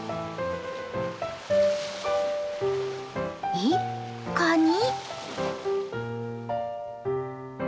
えっカニ！？